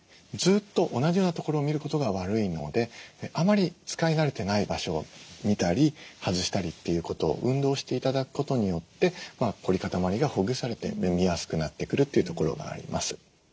ずっと同じような所を見ることが悪いのであまり使い慣れてない場所を見たり外したりっていうこと運動して頂くことによって凝り固まりがほぐされて見やすくなってくるというところがあります。